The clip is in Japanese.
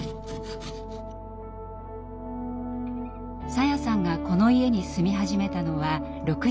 さやさんがこの家に住み始めたのは６０歳手前。